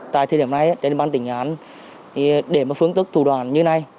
tại thời điểm này trên địa bàn tỉnh hán để một phương tức thủ đoàn như này